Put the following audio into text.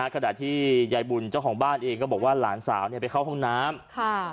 ขณะที่ยายบุญเจ้าของบ้านเองก็บอกว่าหลานสาวไปเข้าห้องน้ำค่ะ